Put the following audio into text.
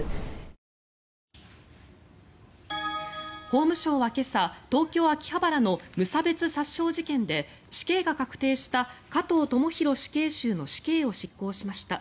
法務省は今朝東京・秋葉原の無差別殺傷事件で死刑が確定した加藤智大死刑囚の死刑を執行しました。